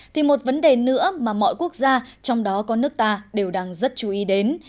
thì một vấn đề nữa mà mọi quốc gia trong đó có nước ta đều đang rất chú ý đến